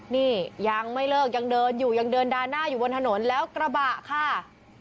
นี่ยังไม่เลิกยังเดินอยู่ยังเดินด่าหน้าอยู่บนถนนแล้วกระบะค่ะ